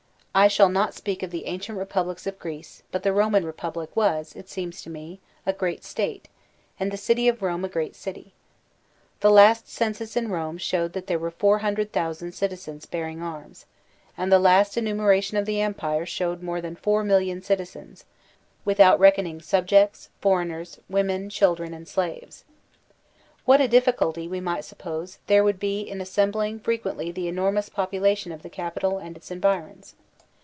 I shall not speak of the ancient republics of Greece; but the Roman Republic was, it seems to me, a great State, and the city of Rome a great city. The last cen sus in Rome showed that there were 400,000 citizens bear ing arms, and the last enumeration of the Empire showed more than 4,000,000 citizens, without reckoning subjects, foreigners, women, children, and slaves. What a diflSculty, we might suppose, there would be in assembling frequently the enormous population of the capital and its environs.